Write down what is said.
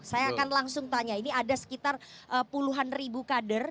saya akan langsung tanya ini ada sekitar puluhan ribu kader